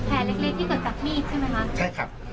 แผลเล็กเล็กที่เกิดกับมีชัยใช่ไหมครับ